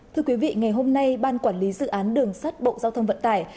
thưa quý vị ngày hôm nay ban quản lý dự án đường sắt bộ giao thông vận tải